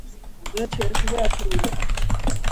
რაც შეეხება ათეულებს.